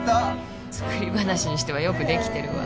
作り話にしてはよくできてるわ。